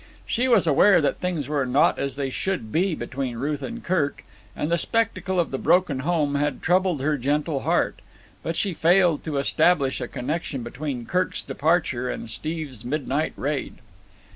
She was aware that things were not as they should be between Ruth and Kirk, and the spectacle of the broken home had troubled her gentle heart; but she failed to establish a connection between Kirk's departure and Steve's midnight raid.